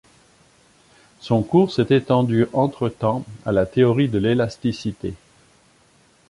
Son cours s'est étendu entre-temps à la théorie de l'élasticité.